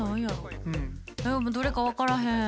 えでもどれか分からへん。